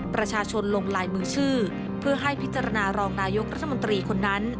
ประชาชนลงลายมือชื่อเพื่อให้พิจารณารองนายกรัฐมนตรีคนนั้น